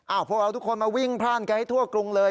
พวกเราทุกคนมาวิ่งพร่านแกให้ทั่วกรุงเลย